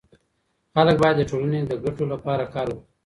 خلګ باید د ټولني د ګټو لپاره کار وکړي.